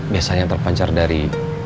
biasanya terpancar dari